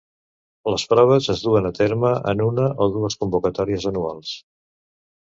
Les proves es duen a terme en una o dues convocatòries anuals.